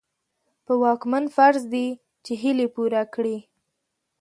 په واکمن فرض دي چې هيلې پوره کړي.